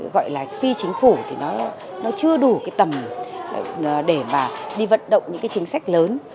gọi là phi chính phủ thì nó chưa đủ cái tầm để mà đi vận động những cái chính sách lớn